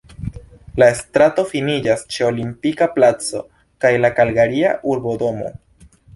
La strato finiĝas ĉe Olimpika Placo kaj la Kalgaria urbodomo.